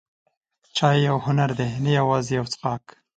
چای یو هنر دی، نه یوازې یو څښاک.